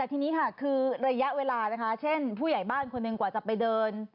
ทีนี้ค่ะคือระยะเวลานะคะเช่นผู้ใหญ่บ้านคนหนึ่งกว่าจะไปเดิน